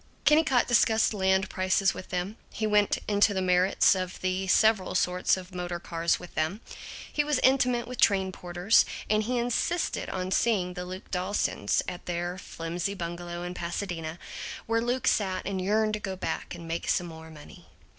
Kennicott discussed land prices with them, he went into the merits of the several sorts of motor cars with them, he was intimate with train porters, and he insisted on seeing the Luke Dawsons at their flimsy bungalow in Pasadena, where Luke sat and yearned to go back and make some more money.